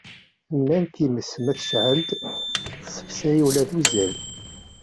Nnan times ma tecɛel-d, tessefsay ula d uzzal.